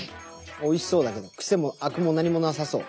おいしそうだけどクセもあくも何もなさそう。